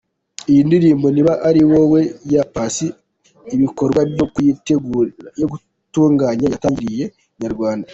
Iyi ndirimbo “Niba ari wowe” ya Paccy, ibikorwa byo kuyitunganya yatangarije Inyarwanda.